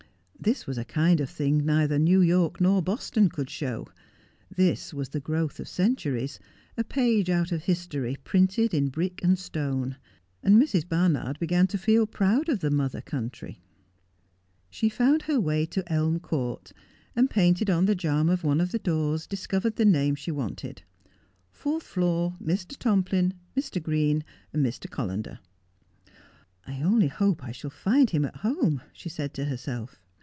This was a kind of thing neither New York nor Boston could show. This was the growth of centuries, a page out of history, printed in brick and stone ; and Mrs. Barnard began to feel proud of the mother country. She found her way to Elm Court, and, painted on the jamb of one of the doors, discovered the name she wanted — Fourth floor — Mr. Tomplin — Mr. Green — Mr. (Hollander. ' I only hope I shall find him at home,' she said to herself.